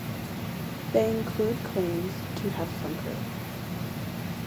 They include claims to have sunk her.